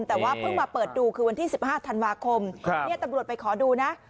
แต่ว่าเพิ่งมาเปิดดูคือวันที่๑๕ธันวาคมนี่ตำรวจไปขอดูนะ